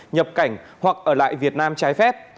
nhập cảnh hoặc ở lại việt nam trái phép